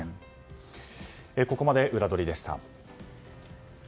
ここまでウラどりでした。